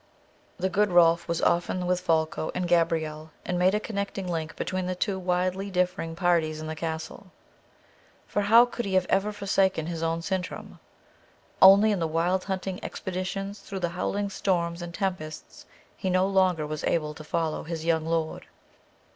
The good Rolf was often with Folko and Gabrielle, and made a connecting link between the two widely differing parties in the castle. For how could he have ever forsaken his own Sintram! Only in the wild hunting expeditions through the howling storms and tempests he no longer was able to follow his young lord.